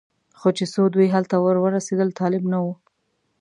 خو چې څو دوی هلته ور ورسېدل طالب نه و.